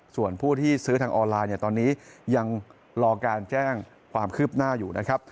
ส่วนผู้ที่ซื้อทางออนไลน์เนี่ยตอนนี้ยังรอการแจ้งความคืบหน้าอยู่นะครับ